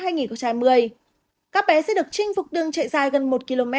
các bé sẽ được chinh phục đường chạy dài gần một km